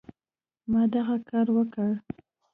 ما دغه کار وکړ.